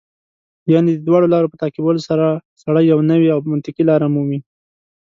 یعنې د دواړو لارو په تعقیبولو سره سړی یوه نوې او منطقي لار مومي.